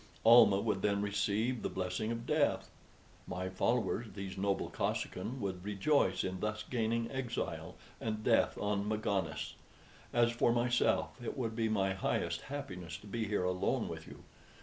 Almah would then receive the blessing of death. My followers, these noble Kosekin, would rejoice in thus gaining exile and death on Magones. As for myself, it would be my highest happiness to be here alone with you.